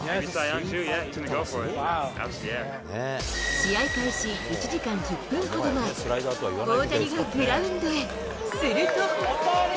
試合開始１時間１０分ほど前、大谷がグラウンドへ。